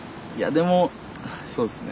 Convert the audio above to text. でもあそうですね